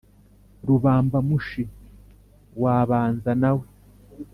rubamba-mushi, wabanza na we,